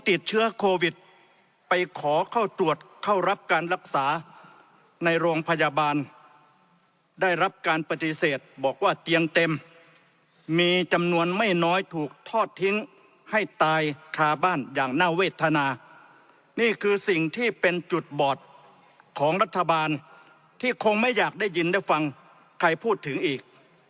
ภิรภิรภิรภิรภิรภิรภิรภิรภิรภิรภิรภิรภิรภิรภิรภิรภิรภิรภิรภิรภิรภิรภิรภิรภิรภิรภิรภิรภิรภิรภิรภิรภิรภิรภิรภิรภิร